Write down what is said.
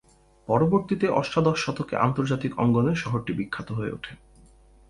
পরবর্তীতে অষ্টাদশ শতকে আন্তর্জাতিক অঙ্গনে শহরটি বিখ্যাত হয়ে উঠে।